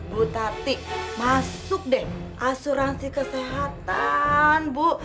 bu tati masuk deh asuransi kesehatan bu